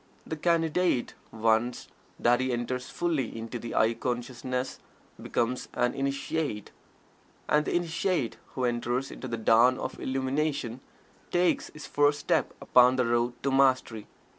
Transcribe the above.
The Candidate, once that he enters fully into the "I" consciousness, becomes an "Initiate." And the Initiate who enters into the dawn of Illumination takes his first step upon the road to Mastery.